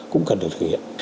cũng cần được thực hiện